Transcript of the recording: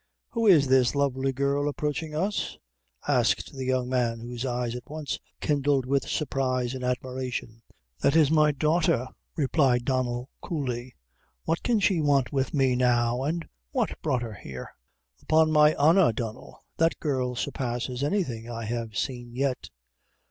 "Who is this lovely girl approaching us?" asked the young man, whose eyes at once kindled with surprise and admiration. "That is my daughter," replied Donnel, coldly; "what can she want with me now, and what brought her here?" "Upon my honor, Donnel, that girl surpasses anything I have seen yet.